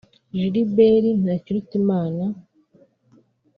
Gilbert Ntakirutimana